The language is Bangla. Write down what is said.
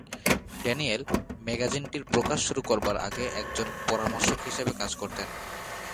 ড্যানিয়েল ম্যাগাজিনটির প্রকাশ শুরু করবার আগে একজন পরামর্শক হিসেবে কাজ করতেন।